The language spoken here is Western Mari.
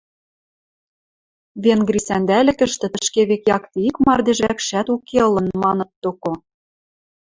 Венгри сӓндӓлӹкӹштӹ тӹшкевек якте ик мардеж вӓкшӓт уке ылын, маныт доко.